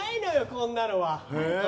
こんなのは！